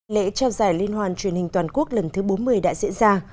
lễ trao giải liên hoàn truyền hình toàn quốc lần thứ bốn mươi đã diễn ra